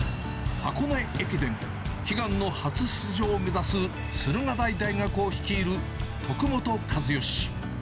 箱根駅伝、悲願の初出場を目指す、駿河台大学を率いる徳本一善。